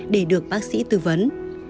để được bác sĩ tư vấn